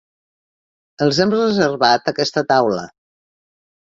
Els hem reservat aquesta taula.